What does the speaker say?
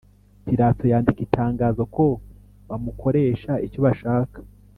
Pilato yandika itangazo ko bamukoresha icyo bashaka